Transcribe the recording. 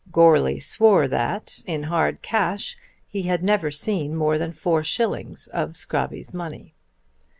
Goarly swore that in hard cash he had never seen more than four shillings of Scrobby's money.